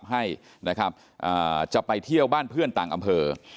ให้เพื่อนขับให้มาเที่ยวบ้านเพื่อนต่างอำเภอ